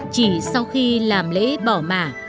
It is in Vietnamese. chỉ sau khi làm lễ bỏ mả